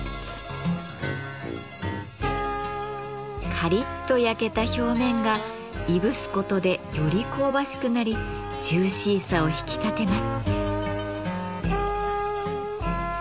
カリッと焼けた表面がいぶすことでより香ばしくなりジューシーさを引き立てます。